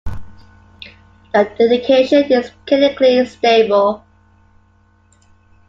The dication is kinetically stable.